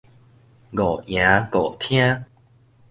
五營五廳